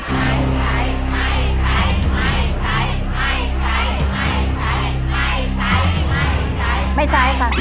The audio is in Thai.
ไม่ใช้ไม่ใช้ไม่ใช้ไม่ใช้ไม่ใช้ไม่ใช้ไม่ใช้